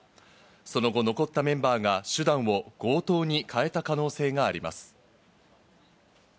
その後、残ったメンバーが手段を強盗に変えた可能性があります。